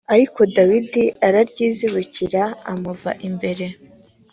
h ariko dawidi araryizibukira i amuva imbere